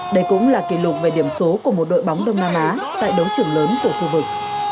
đây cũng là kỷ lục về điểm số của một đội bóng đông nam á tại đấu trưởng lớn của khu vực